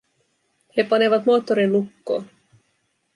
He panevat moottorin lukkoon.